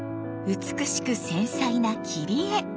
美しく繊細な切り絵！